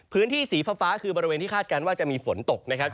พื้นที่สีฟ้าคือบริเวณที่คาดการณ์ว่าจะมีฝนตกนะครับ